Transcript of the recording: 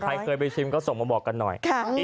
ใครเคยไปชิมก็ส่งมาบอกกันหน่อย